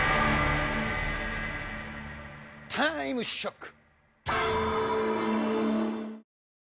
タイムショック！